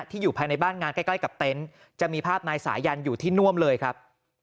อยู่ภายในบ้านงานใกล้กับเต็นต์จะมีภาพนายสายันอยู่ที่น่วมเลยครับ